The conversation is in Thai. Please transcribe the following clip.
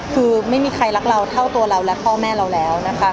คือไม่มีใครรักเราเท่าตัวเราและพ่อแม่เราแล้วนะคะ